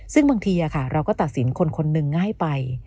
ซึ่งบางทีเราก็ตัดสินคนนึงง่ายไป